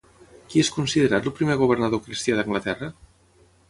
Qui és considerat el primer governador cristià d'Anglaterra?